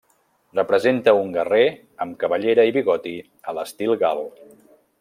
Representa un guerrer amb cabellera i bigoti a l'estil gal.